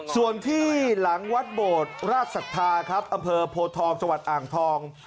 ส่วนที่หลังวัดโบดราชศรัทธาครับอำเภอโพทองจังหวัดอ่างทอง